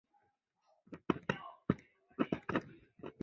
以下列表列出地球撞击资料库内所有已确认并在北美洲的撞击坑。